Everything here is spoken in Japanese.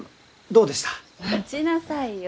待ちなさいよ！